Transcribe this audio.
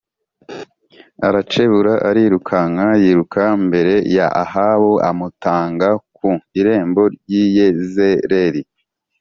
aracebura arirukanka, yiruka imbere ya Ahabu amutanga ku irembo ry’i Yezerēli